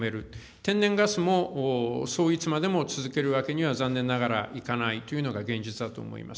天然ガスも、そういつまでも続けるわけには、残念ながらいかないというのが現実だと思います。